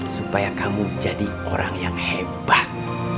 supaya kamu jadi orang yang hebat